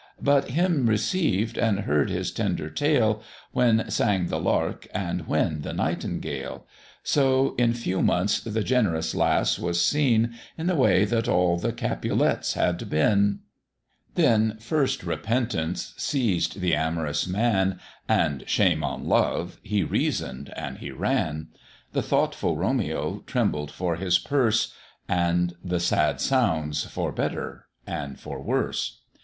But him received, and heard his tender tale, When sang the lark, and when the nightingale; So in few months the generous lass was seen I' the way that all the Capulets had been. Then first repentance seized the amorous man, And shame on love! he reason'd and he ran; The thoughtful Romeo trembled for his purse, And the sad sounds, "for better and for worse."